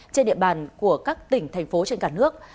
trên địa bàn của các tỉnh thành phố trên cả nước